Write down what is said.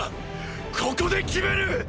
ここで決める！！